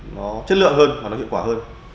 nó chất lượng hơn và nó hiệu quả hơn